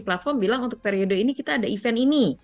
platform bilang untuk periode ini kita ada event ini